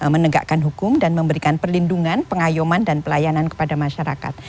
menegakkan hukum dan memberikan perlindungan pengayuman dan pelayanan kepada masyarakat